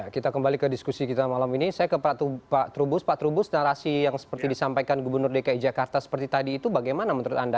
kita kembali ke diskusi kita malam ini saya ke pak trubus pak trubus narasi yang seperti disampaikan gubernur dki jakarta seperti tadi itu bagaimana menurut anda